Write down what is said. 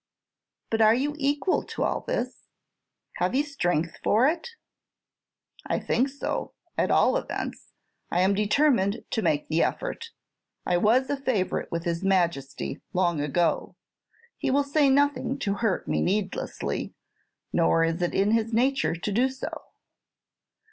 "But are you equal to all this? Have you strength for it?" "I think so; at all events, I am determined to make the effort. I was a favorite with his Majesty long ago. He will say nothing to hurt me needlessly; nor is it in his nature to do so.